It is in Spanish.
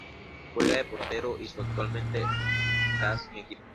Juega de portero y su actualmente está sin equipo.